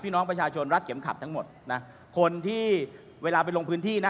น้องประชาชนรัดเข็มขัดทั้งหมดนะคนที่เวลาไปลงพื้นที่นะ